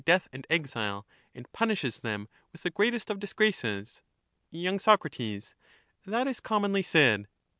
death and exile, and punishes them with the greatest of disgraces. Y, Sac. That is commonly said.